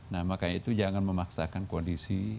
nah makanya itu jangan memaksakan kondisi